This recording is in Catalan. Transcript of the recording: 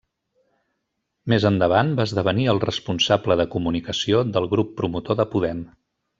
Més endavant va esdevenir el responsable de Comunicació del grup promotor de Podem.